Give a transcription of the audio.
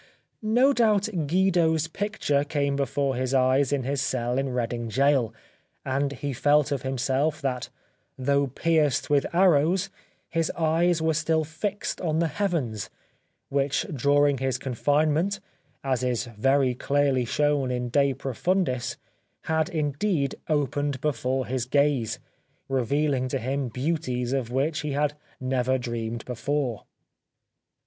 No doubt Guido's picture came before his eyes in his cell in Reading Gaol, and he felt of himself that though pierced with arrows his eyes were still fixed on the heavens, which during his confinement, as is very clearly shown in " De Profundis/' had, indeed, opened before his gaze, revealing to him beauties of which he had never dreamed before.